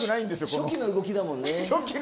初期の動きだもんね。